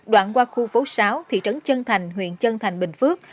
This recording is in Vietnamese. đoạn qua khu phố sáu thị trấn chân thành huyện chân thành bình phước